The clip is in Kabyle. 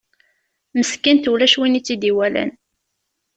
Meskint, ulac win i tt-id-iwalan.